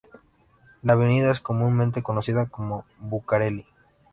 La avenida es comúnmente conocida como "Bucareli".